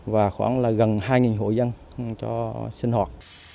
và khoảng là gần hai hộ dân cho sinh hoạt